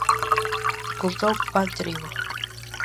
Comprou pan trigo.